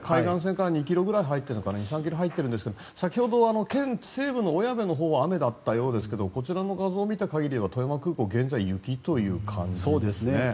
海岸線から２ｋｍぐらい入ってるんですが先ほど県西部の小矢部のほうは雨だったようですがこちらの映像を見た限りでは富山空港は雪ということですね。